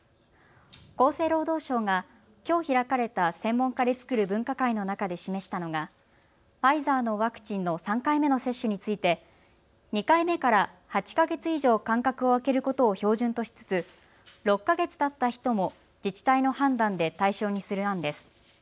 厚生労働省がきょう開かれた専門家で作る分科会の中で示したのがファイザーのワクチンの３回目の接種について２回目から８か月以上、間隔を空けることを標準としつつ６か月たった人も自治体の判断で対象にする案です。